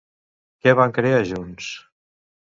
Què van crear junts?